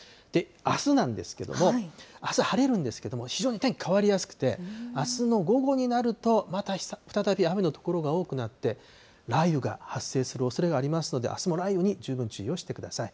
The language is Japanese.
あすなんですけども、あす、晴れるんですけれども、非常に天気変わりやすくて、あすの午後になると、また再び雨の所が多くなって、雷雨が発生するおそれがありますので、あすも雷雨に十分注意をしてください。